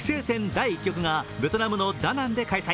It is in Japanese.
第１局がベトナムのダナンで開催。